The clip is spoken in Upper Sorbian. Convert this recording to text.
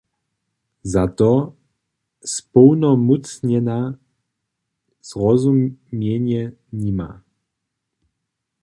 Za to społnomócnjena zrozumjenje nima.